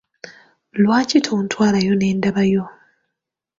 Lwaki tontwalayo nendabayo?